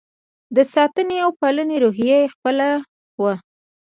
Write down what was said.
د ساتنې او پالنې روحیه خپله وه.